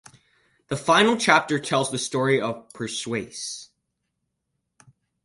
The final chapter tells the story of Perseus.